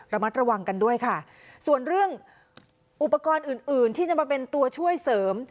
ระมัดระวังกันด้วยค่ะส่วนเรื่องอุปกรณ์อื่นอื่นที่จะมาเป็นตัวช่วยเสริม